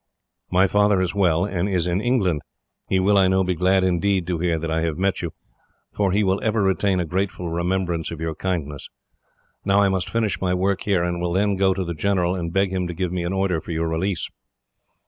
"My father is well, and is in England. He will, I know, be glad indeed to hear that I have met you, for he will ever retain a grateful remembrance of your kindness. Now I must finish my work here, and will then go to the general, and beg him to give me an order for your release."